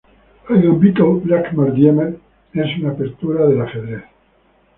El gambito Blackmar-Diemer es una apertura del Ajedrez.